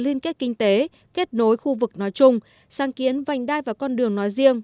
liên kết kinh tế kết nối khu vực nói chung sáng kiến vành đai và con đường nói riêng